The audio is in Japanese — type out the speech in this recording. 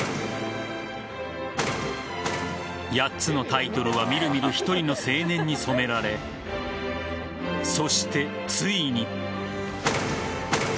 ８つのタイトルはみるみる１人の青年に染められそして、ついに。